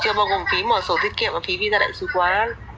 chưa bao gồm phí mở sổ tiết kiệm và phí vina đại sứ quán